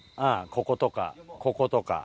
こことかこことか。